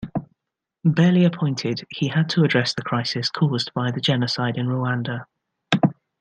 Barely appointed, he had to address the crisis caused by the genocide in Rwanda.